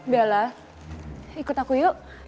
bella ikut aku yuk